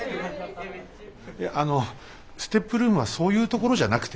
いやあのＳＴＥＰルームはそういうところじゃなくて。